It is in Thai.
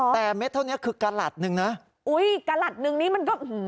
แต่เม็ดเท่านี้คือกระหลัดหนึ่งนะอุ้ยกระหลัดหนึ่งนี้มันก็